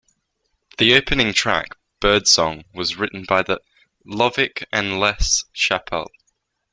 The opening track "Bird Song" was written by Lovich and Les Chappell.